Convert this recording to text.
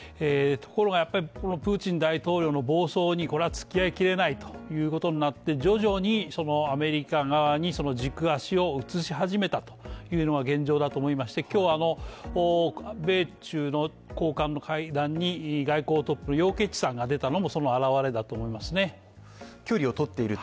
ところがプーチン大統領の暴走に、付き合いきれないということになって徐々にアメリカ側に、軸足を移し始めたというのが現状だと思いまして、今日、米中の高官の会談に外交トップの楊潔チさんが出たのもそのあらわれだと思いますね。